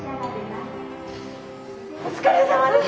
お疲れさまです。